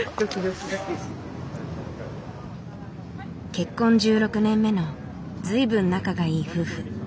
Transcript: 結婚１６年目の随分仲がいい夫婦。